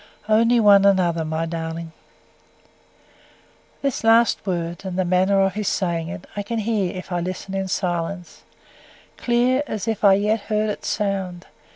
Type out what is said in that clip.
"Only one another, my darling." This last word, and the manner of his saying it, I can hear if I listen in silence, clear as if yet I heard its sound.